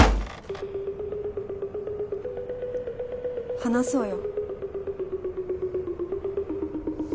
話そうよ。